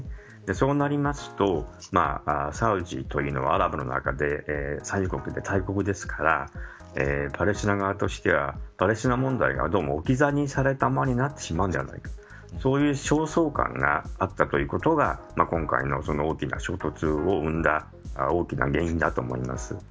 そうなると、サウジというのは産油国で大国ですからパレスチナ側としてはパレスチナ問題が置き去りになったままにされてしまうんじゃないかそういう焦燥感があったことが今回の大きな衝突を生んだ大きな原因だと思います。